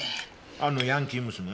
あのヤンキー娘が？